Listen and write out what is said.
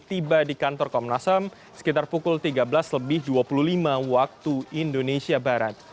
tiba di kantor komnas ham sekitar pukul tiga belas lebih dua puluh lima waktu indonesia barat